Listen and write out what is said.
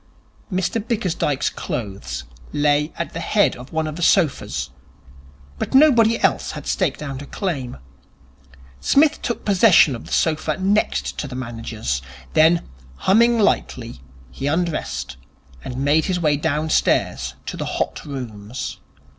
Mr Bickersdyke's clothes lay at the head of one of the sofas, but nobody else had staked out a claim. Psmith took possession of the sofa next to the manager's. Then, humming lightly, he undressed, and made his way downstairs to the Hot Rooms.